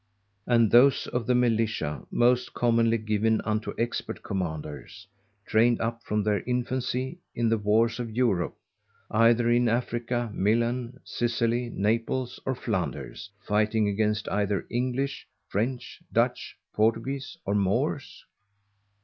And those of the Militia most commonly given unto expert Commanders, trained up from their infancy in the Wars of Europe, either in Africa, Milan, Sicily, Naples, or Flanders, fighting against either English, French, Dutch, Portuguese, or Moors?